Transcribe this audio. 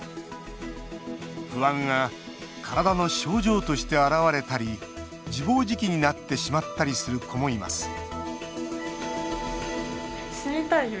不安が体の症状として現れたり自暴自棄になってしまったりする子もいます